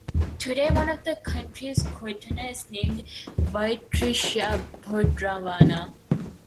Today, one of the counties in Croatia is named Virovitica-Podravina.